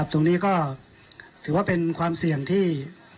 ตรงนี้ก็ถือว่าเป็นความเสี่ยงที่